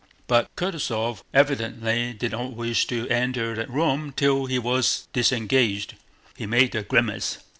But Kutúzov evidently did not wish to enter that room till he was disengaged. He made a grimace....